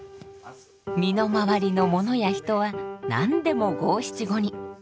身の回りの物や人は何でも五・七・五に。